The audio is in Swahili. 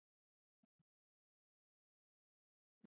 von Zelewski aliongoza kikosi cha maafisa Wa kijerumani kumi na tatu